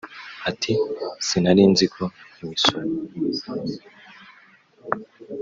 Ati ” Sinari nziko imisoro